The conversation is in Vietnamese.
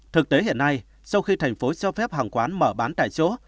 thực tế hiện nay sau khi thành phố cho phép hàng quán mở bán tại chỗ